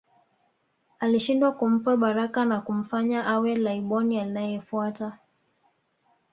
Alishindwa kumpa baraka na kumfanya awe Laiboni anayefuata